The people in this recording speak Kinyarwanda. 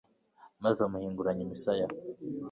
maze amuhinguranya imisaya